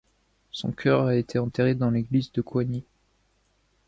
Son cœur a été enterré dans l’église de Coigny.